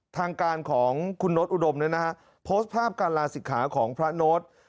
ทางการของคุณโน๊ตอุดมโพสต์ภาพการลาศิกขาของพระโน้ต